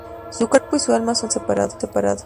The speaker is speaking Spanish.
Su cuerpo y su alma son separados.